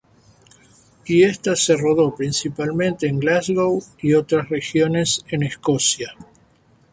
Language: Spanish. Y esta se rodó principalmente en Glasgow y otras regiones en Escocia.